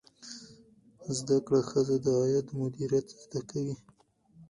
زده کړه ښځه د عاید مدیریت زده کوي.